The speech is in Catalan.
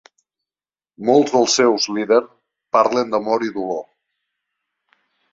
Molts dels seus lieder parlen d'amor i dolor.